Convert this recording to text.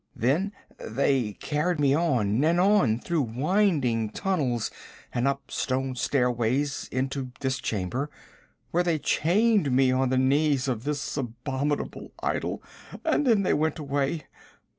'Then they carried me on and on through winding tunnels and up stone stairways into this chamber, where they chained me on the knees of this abominable idol, and then they went away.